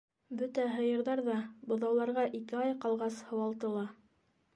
Бөтә һыйырҙар ҙа быҙауларға ике ай ҡалғас һыуалтыла.